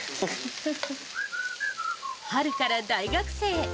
春から大学生。